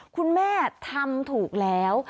คุณแม่ทำถูกแล้ว